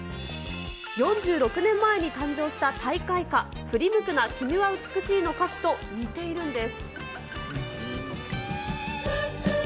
４６年前に誕生した大会歌、ふり向くな君は美しいの歌詞と似ているんです。